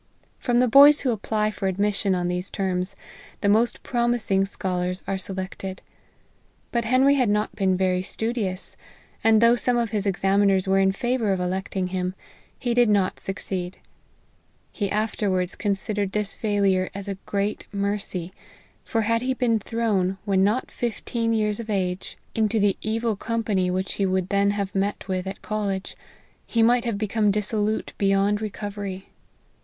From the boys who apply for ad mission on these terms, the most promising scholars are selected ; but Henry had not been very studious, and, though some of his examiners were in favour of electing him, he did not succeed. He afterwards considered this failure as a great mercy ; for had he been thrown, when not fifteen years of age, into the LIFE OF HENRY MARTYN. 7 evil company which he would then have met with at college, he might have become dissolute beyond recovery.